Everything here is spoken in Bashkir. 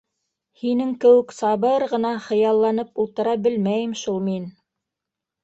Һинең кеүек сабыр ғына хыялланып ултыра белмәйем шул мин!